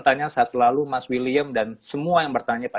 bye sampai ketemu lagi